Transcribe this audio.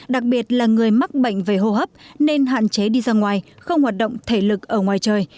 đặc biệt là người mắc bệnh về hô hấp nên hạn chế đi ra ngoài không hoạt động thể lực ở ngoài trời